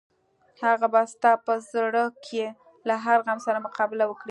هغه به ستا په زړه کې له هر غم سره مقابله وکړي.